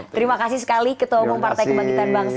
terima kasih sekali ketua umum partai kebangkitan bangsa